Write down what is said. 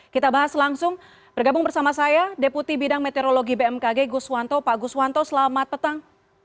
kita bahas langsung bergabung bersama saya deputi bidang meteorologi bmkg gus wanto pak gus wanto selamat petang